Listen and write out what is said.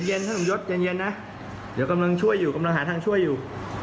ท่านสมยศเย็นนะเดี๋ยวกำลังช่วยอยู่กำลังหาทางช่วยอยู่